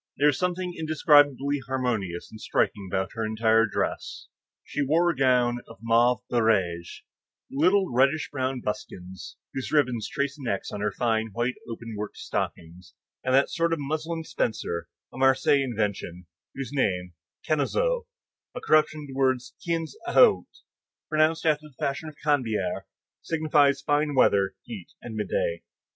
There was something indescribably harmonious and striking about her entire dress. She wore a gown of mauve barège, little reddish brown buskins, whose ribbons traced an X on her fine, white, open worked stockings, and that sort of muslin spencer, a Marseilles invention, whose name, canezou, a corruption of the words quinze août, pronounced after the fashion of the Canebière, signifies fine weather, heat, and midday.